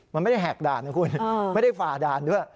มันไม่ได้แหกด่านนะคุณไม่ได้ฝ่าด่านด้วย